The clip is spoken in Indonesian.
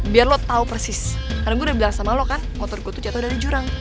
biar lo tau persis karena gue udah bilang sama lo kan motor gue tuh jatuh dari jurang